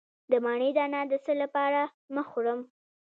د مڼې دانه د څه لپاره مه خورم؟